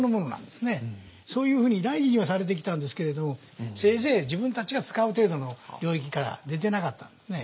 そういうふうに大事にはされてきたんですけれどせいぜい自分たちが使う程度の領域から出てなかったんですね。